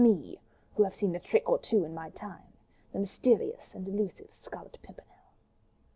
me!—who have seen a trick or two in my time—the mysterious and elusive Scarlet Pimpernel."